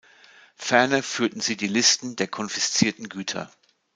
Ferner führten sie die Listen der konfiszierten Güter.